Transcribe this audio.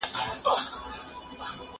دا قلمان له هغو ښه دي،